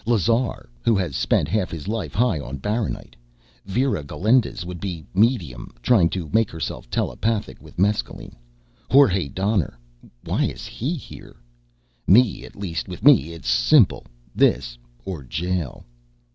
Lazar, who has spent half his life high on baronite; Vera Galindez, would be medium, trying to make herself telepathic with mescaline; Jorge Donner.... Why is he here? Me, at least with me it's simple this or jail.